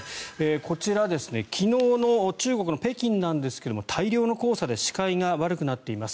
こちら、昨日の中国の北京なんですが大量の黄砂で視界が悪くなっています。